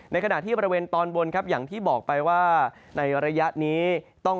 ในขณะที่บริเวณตอนบนครับอย่างที่บอกไปว่าในระยะนี้ต้อง